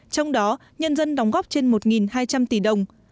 trong đó nhân dân đóng góp trên một hai trăm linh tỷ đồng